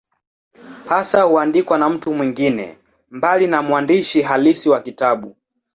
Hasa huandikwa na mtu mwingine, mbali na mwandishi halisi wa kitabu.